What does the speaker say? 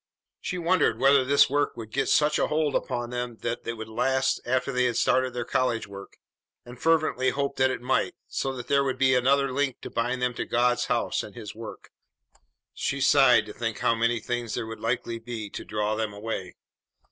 She wondered whether this work would get such a hold upon them that it would last after they started their college work, and fervently hoped that it might, so that there would be another link to bind them to God's house and His work. She sighed to think how many things there would likely be to draw them away.